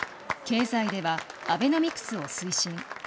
経済では、アベノミクスを推進。